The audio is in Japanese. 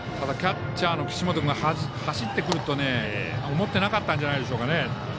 キャッチャーの岸本君が走ってくると思ってなかったんじゃないでしょうか。